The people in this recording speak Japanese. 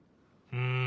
うん。